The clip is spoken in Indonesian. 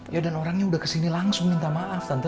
ya dan orangnya udah kesini langsung minta maaf tante